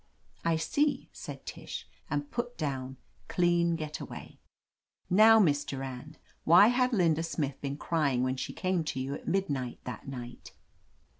"I see," said Tish, and put down "clean get away." "Now, Miss Durand, why had Linda Smith been crying when she came to you at midnight that night?"